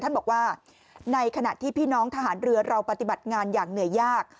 ท่านบอกว่าในขณะที่พี่น้องทหารเรือเราปฏิบัติงานอย่างเหนื่อยยาก